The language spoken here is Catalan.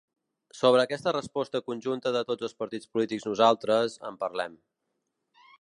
Sobre aquesta resposta conjunta de tots els partits polítics nosaltres, en parlem.